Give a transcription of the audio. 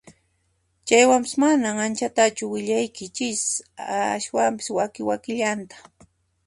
Chaywanpas mana anchatachu willaykichis ashwampis waki wakillanta